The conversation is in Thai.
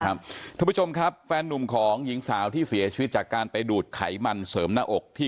ท่านผู้ชมครับแฟนนุ่มของหญิงสาวที่เสียชีวิตจากการไปดูดไขมันเสริมหน้าอกที่